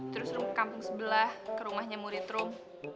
terus rom ke kampung sebelah ke rumahnya murid rom